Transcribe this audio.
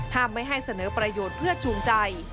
ไม่ให้เสนอประโยชน์เพื่อจูงใจ